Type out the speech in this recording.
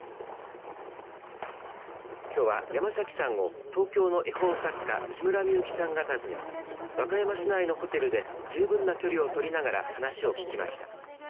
きょうは、山崎さんを東京の絵本作家木村美幸さんが訪ね和歌山市内のホテルで十分な距離を取りながら話を聞きました。